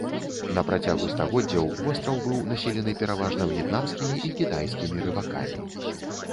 На працягу стагоддзяў востраў быў населены пераважна в'етнамскімі і кітайскімі рыбакамі.